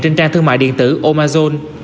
trên trang thương mại điện tử omazon